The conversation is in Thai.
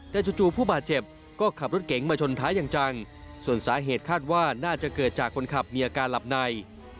แต่จู่ผู้บาดเจ็บก็ขับรถเก๋งมาชนท้ายอย่างจังส่วนสาเหตุคาดว่าน่าจะเกิดจากคนขับมีอาการหลับใน